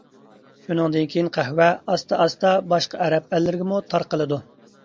شۇنىڭدىن كېيىن قەھۋە ئاستا-ئاستا باشقا ئەرەب ئەللىرىگىمۇ تارقىلىدۇ.